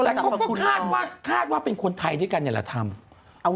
แล้วเขาก็คาดว่าเป็นคนไทยที่กันแหละทำ